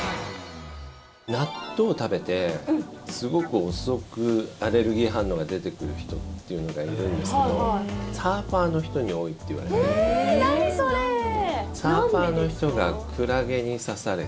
納豆を食べてすごく遅くアレルギー反応が出てくる人っていうのがいるんですけどサーファーの人に多いっていわれていて。